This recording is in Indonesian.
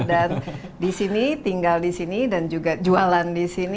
dan di sini tinggal di sini dan juga jualan di sini